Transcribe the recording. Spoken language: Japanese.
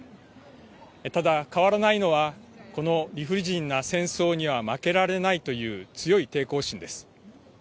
ただ、変わらないのはこの理不尽な戦争には負けられないという強い抵抗心です。